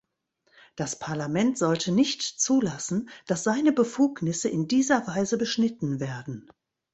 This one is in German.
Das Parlament sollte nicht zulassen, dass seine Befugnisse in dieser Weise beschnitten werden.